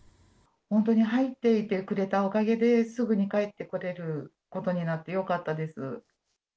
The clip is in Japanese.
本当に入ってくれていたおかげで、すぐに帰ってこれることになって、よかったです。